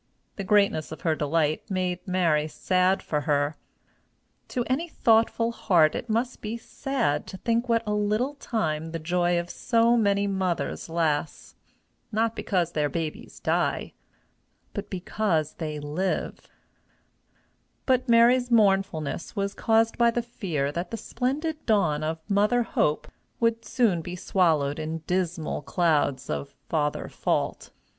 The greatness of her delight made Mary sad for her. To any thoughtful heart it must be sad to think what a little time the joy of so many mothers lasts not because their babies die, but because they live; but Mary's mournfulness was caused by the fear that the splendid dawn of mother hope would soon be swallowed in dismal clouds of father fault.